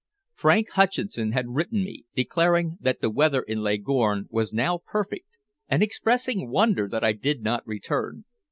Frank Hutcheson had written me declaring that the weather in Leghorn was now perfect, and expressing wonder that I did not return.